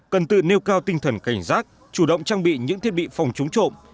cần tự nêu cao tinh thần cảnh giác chủ động trang bị những thiết bị phòng chống trộm